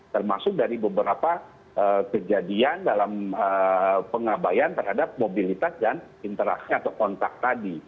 termasuk dari beberapa kejadian dalam pengabayan terhadap mobilitas dan interaksi atau kontak tadi